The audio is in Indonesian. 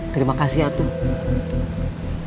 terima kasih atuh